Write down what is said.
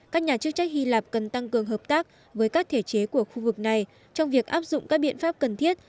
các nhà chức trách hy lạp cần tăng cường hợp tác với các thể chế của khu vực này trong việc áp dụng các biện pháp cần thiết